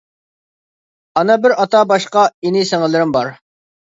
ئانا بىر ئاتا باشقا ئىنى-سىڭىللىرىم بار.